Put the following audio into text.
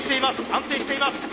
安定しています。